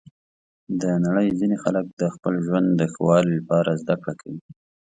د نړۍ ځینې خلک د خپل ژوند د ښه والي لپاره زده کړه کوي.